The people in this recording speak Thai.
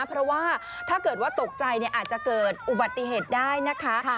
เพราะว่าถ้าเกิดว่าตกใจอาจจะเกิดอุบัติเหตุได้นะคะ